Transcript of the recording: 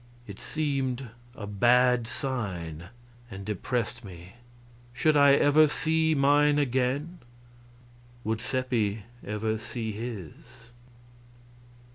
It seemed a bad sign, and depressed me. Should I ever see mine again? Would Seppi ever see his?